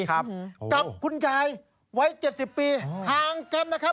กับคุณยายวัย๗๐ปีห่างกันนะครับ